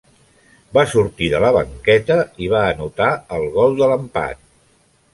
Va sortir de la banqueta i va anotar el gol de l’empat.